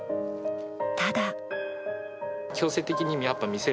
ただ。